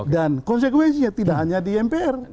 dan konsekuensinya tidak hanya di mpr